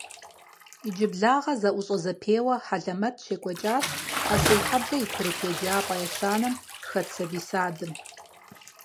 Иджыблагъэ зэIущIэ-зэпеуэ хьэлэмэт щекIуэкIащ Къэсейхьэблэ и курыт еджапIэ ещанэм хэт сабий садым.